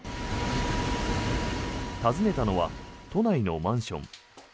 訪ねたのは都内のマンション。